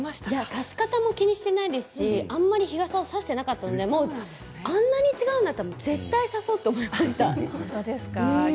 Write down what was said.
差し方も気にしてないですし、あまり日傘を差していなかったのであんなに違うんだったら絶対差そうと思いました。